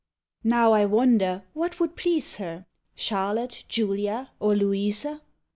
Now I wonder what would please her, — Charlotte, Julia, or Louisa?